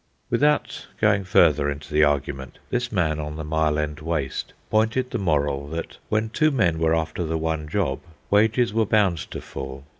Without going further into the argument, this man on the Mile End Waste pointed the moral that when two men were after the one job wages were bound to fall.